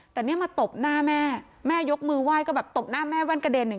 แต่เนี่ยมาตบหน้าแม่แม่ยกมือไหว้ก็แบบตบหน้าแม่แว่นกระเด็นอย่าง